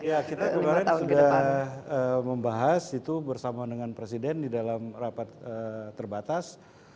ya kita kemarin sudah membahas itu bersama dengan presiden di dalam rapat terbatas